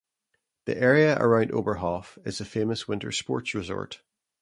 The area around Oberhof is a famous winter sports resort.